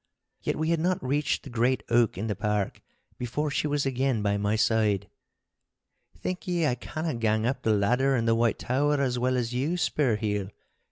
Yet we had not reached the great oak in the park before she was again by my side. 'Think ye I canna gang up the ladder in the White Tower as well as you, Spurheel.